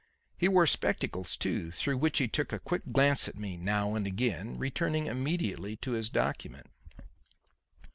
He wore spectacles, too, through which he took a quick glance at me now and again, returning immediately to his document.